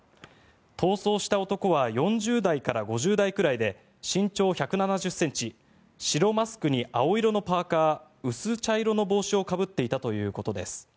逃走した男は４０代から５０代くらいで身長１７０ｃｍ白マスクに青色のパーカ薄茶色の帽子をかぶっていたということです。